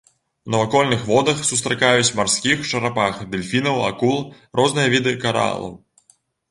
У навакольных водах сустракаюць марскіх чарапах, дэльфінаў, акул, розныя віды каралаў.